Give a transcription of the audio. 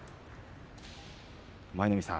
舞の海さん